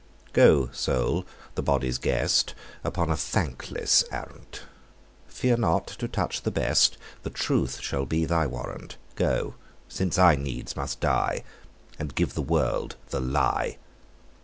Go, soul, the body's guest, Upon a thankless errand; Fear not to touch the best; The truth shall be thy warrant: Go, since I needs must die, And give the world the lie.